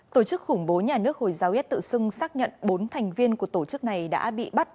tổ chức khủng bố nhà nước hồi giáo yết tự xưng xác nhận bốn thành viên của tổ chức này đã bị bắt